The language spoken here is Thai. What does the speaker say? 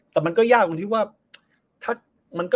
อ๋อแต่มันก็ยากกว่าที่ว่า